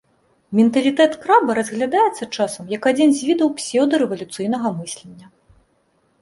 Менталітэт краба разглядаецца, часам, як адзін з відаў псеўдарэвалюцыйнага мыслення.